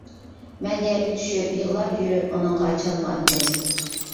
مەن يەرگە چۈشۈپ يىغلاپ يۈرۈپ ئۇنىڭغا چالما ئاتتىم.